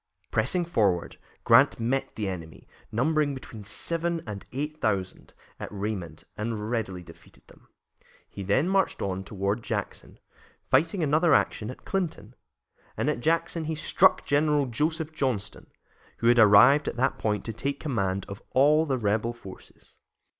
Pressing forward, Grant met the enemy, numbering between seven and eight thousand, at Raymond, and readily defeated them. He then marched on toward Jackson, fighting another action at Clinton, and at Jackson he struck General Joseph Johnston, who had arrived at that point to take command of all the rebel forces.